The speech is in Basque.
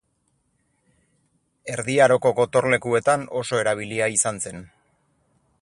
Erdi Aroko gotorlekuetan oso erabilia izan zen.